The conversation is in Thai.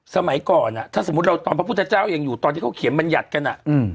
สมัยก่อนถ้าสมมุติเราตอนพระพุทธเจ้ายังอยู่ตอนที่เขาเขียนบรรยัติกัน